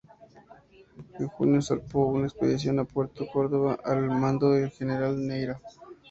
En junio, zarpó otra expedición a Puerto Córdoba al mando del general Neyra.